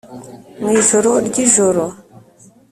mwijoro ryijoro.